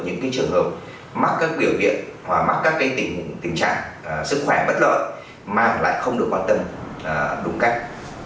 những cái trường hợp mắc các biểu hiện hoặc mắc các cái tình trạng sức khỏe bất lợi mà lại không được quan tâm đúng cách